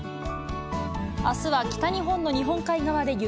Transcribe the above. あすは北日本の日本海側で雪。